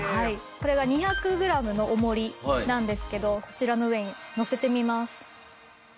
これが２００グラムの重りなんですけどこちらの上にのせてみます。